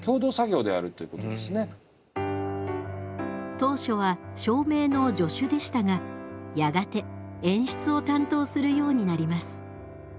当初は照明の助手でしたがやがて演出を担当するようになります。